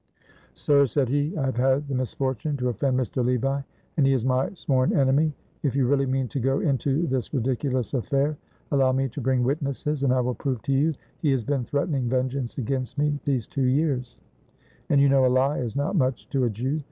"Sir," said he, "I have had the misfortune to offend Mr. Levi, and he is my sworn enemy. If you really mean to go into this ridiculous affair, allow me to bring witnesses, and I will prove to you he has been threatening vengeance against me these two years and you know a lie is not much to a Jew.